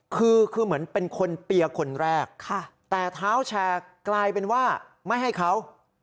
คือคือเหมือนเป็นคนเปียร์คนแรกแต่เท้าแชร์กลายเป็นว่าไม่ให้เขา